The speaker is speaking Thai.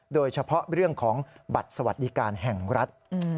โดยเฉพาะเรื่องของบัตรสวัสดิการแห่งรัฐ